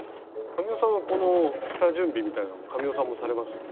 神尾さんはこの下準備みたいなのも神尾さんもされます？